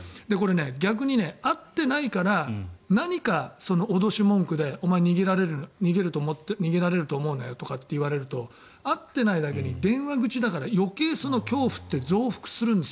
逆に会ってないから何か脅し文句でお前逃げられると思うなよとか言われると会ってないだけに電話口だから余計に恐怖って増幅するんですよ